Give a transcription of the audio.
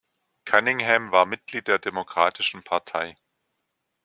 Cunningham war Mitglied der Demokratischen Partei.